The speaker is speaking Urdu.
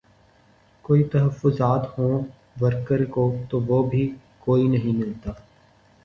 کوئی تحفظات ہوں ورکر کو تو وہ بھی کوئی نہیں ملتا